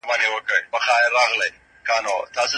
ادبیات بې لوستونکو نه دي.